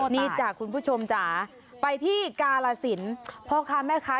นี่จ้ะคุณผู้ชมจ๋าไปที่กาลสินพ่อค้าแม่ค้า